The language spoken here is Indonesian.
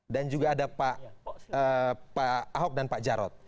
dan juga ada pak ahok dan pak jarot